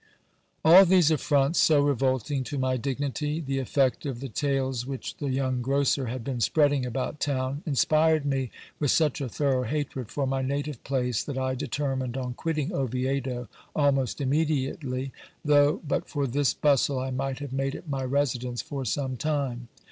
All these affronts, so revolting to my dignity, the effect of the tales which the young grocer had been spreading about town, inspired me with such a thorough hatred for my native place, that I determined on quitting Oviedo almost im mediately, though but for this bustle I might have made it my residence for some time.